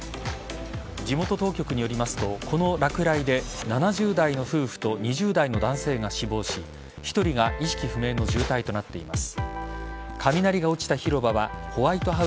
地元当局によりますとこの落雷で７０代の夫婦と２０代の男性が死亡し１人が意識不明の重体となっています。